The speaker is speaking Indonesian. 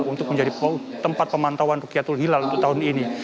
untuk menjadi tempat pemantauan rukiatul hilal tahun ini